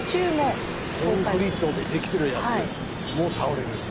コンクリートで出来てるやつも倒れると。